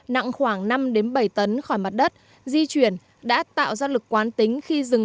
nặng khoảng năm bảy tấn khỏi mặt đất di chuyển đã tạo ra lực quán tính khi rừng